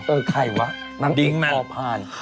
เอ้ยใครวะนางเอกพอพาน